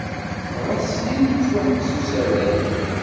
Dɣa, syin yettwaḥbes usarag.